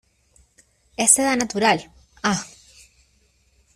es seda natural. ah .